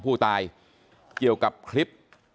ผู้ตายเกี่ยวกับคลิป